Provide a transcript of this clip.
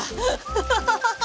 ハハハハハ！